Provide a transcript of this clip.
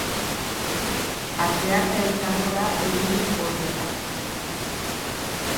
Asteartea izango da egunik hotzena.